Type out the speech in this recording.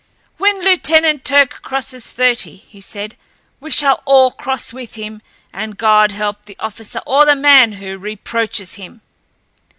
"When Lieutenant Turck crosses thirty," he said, "we shall all cross with him, and God help the officer or the man who reproaches him!"